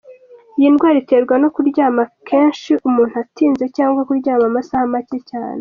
Iyi ndwara iterwa no kuryama kenshi umuntu atinze cyangwa kuryama amasaha macye cyane.